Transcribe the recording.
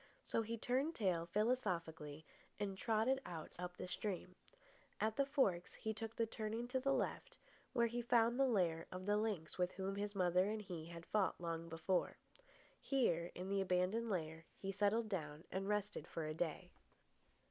So he turned tail philosophically and trotted on up the stream. At the forks he took the turning to the left, where he found the lair of the lynx with whom his mother and he had fought long before. Here, in the abandoned lair, he settled down and rested for a day.